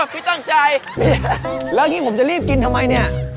อ๋อพี่ตั้งใจแล้วนี่ผมจะรีบกินทำไมเนี่ย